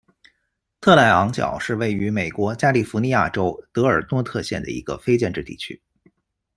特赖昂角是位于美国加利福尼亚州德尔诺特县的一个非建制地区。